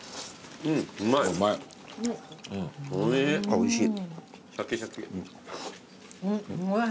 おいしい。